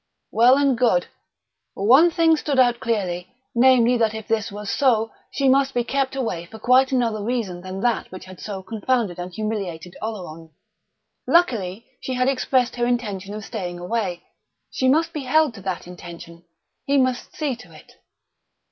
Well and good. One thing stood out clearly: namely, that if this was so, she must be kept away for quite another reason than that which had so confounded and humiliated Oleron. Luckily she had expressed her intention of staying away; she must be held to that intention. He must see to it.